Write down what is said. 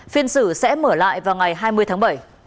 phiên xử sẽ mở lại vào ngày hai mươi tháng bảy